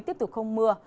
tiếp tục không mưa